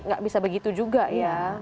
gak bisa begitu juga ya